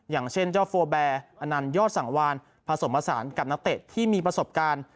อย่างเช่นเจ้าโฟแบร์อนันยอดสังวานผสมผสานกับนักเตะที่มีประสบการณ์